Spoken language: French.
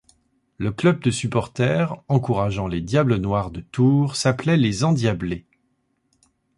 Le club de supporters encourageant les Diables Noirs de Tours s'appelait Les En'diablés.